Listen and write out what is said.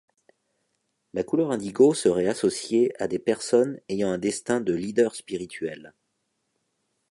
La couleur indigo serait associée à des personnes ayant un destin de leader spirituel.